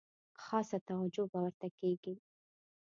خاصه توجه به ورته کیږي.